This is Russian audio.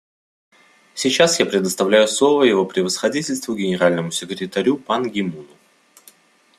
Сейчас я предоставляю слово Его Превосходительству Генеральному секретарю Пан Ги Муну.